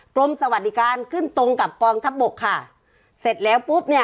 กรมสวัสดิการขึ้นตรงกับกองทัพบกค่ะเสร็จแล้วปุ๊บเนี่ย